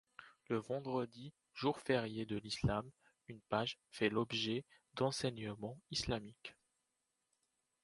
Le vendredi, jour férié de l'Islam, une page fait l'objet d'enseignements islamiques.